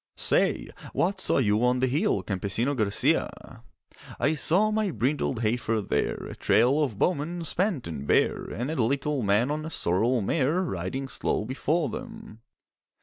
] 'Say, what saw you on the hill, Campesino Garcia?' 'I saw my brindled heifer there, A trail of bowmen, spent and bare, And a little man on a sorrel mare Riding slow before them.